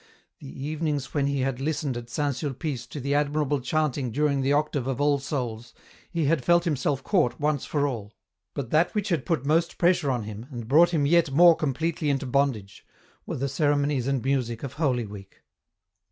TTie evenings when he had listened at St. Sulpice to the admirable chanting during the Octave of All Souls, he had felt himself caught once for all ; but that which had put most pressure on him, and brought him yet more com EN ROUTE. 23 pletely into bondage were the ceremonies and music of Holy Week.